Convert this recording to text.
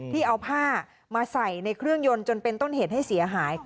ที่เอาผ้ามาใส่ในเครื่องยนต์จนเป็นต้นเหตุให้เสียหาย